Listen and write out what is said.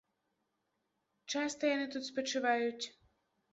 Часта яны тут спачываюць.